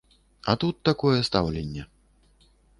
А тут такое стаўленне.